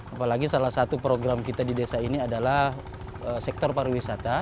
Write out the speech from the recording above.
apalagi salah satu program kita di desa ini adalah sektor pariwisata